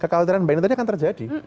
kekaliteran mbak elinda tadi akan terjadi